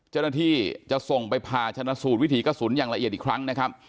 เจ้าหน้าที่จะส่งไปผ่าชนะสูตรวิถีกระสุนอย่างละเอียดอีกครั้งนะครับ